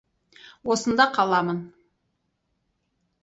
Осында қаламын.